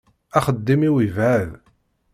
Axeddim-iw yebɛed.